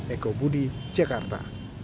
eko budi jakarta